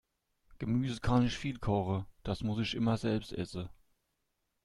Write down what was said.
Gemüse kann ich viel kochen, das muss ich immer selbst essen.